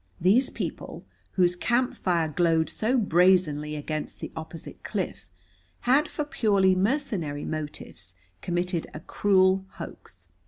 These people, whose camp fire glowed so brazenly against the opposite cliff, had for purely mercenary motives committed a cruel hoax.